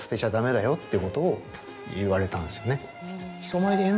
言われたんですよね。